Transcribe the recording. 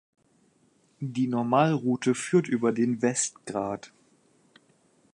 Die Normalroute führt über den Westgrat.